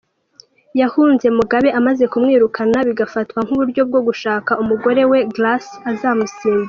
Yahunze Mugabe amaze kumwirukana bigafatwa nk’uburyo bwo gushaka ko umugore we Grace azamusimbura.